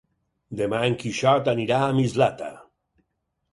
Demà en Quixot anirà a Mislata.